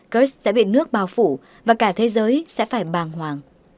krs sẽ bị nước bao phủ và cả thế giới sẽ phải bàng hoàng